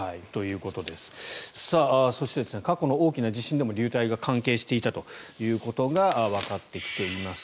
そして、過去の大きな地震でも流体が関係していたということがわかってきています。